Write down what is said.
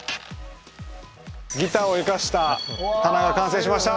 ギターを生かした棚が完成しました！